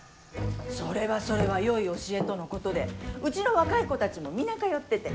それはそれはよい教えとのことでうちの若い子たちも皆通ってて。